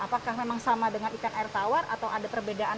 apakah memang sama dengan ikan air tawar atau ada perbedaan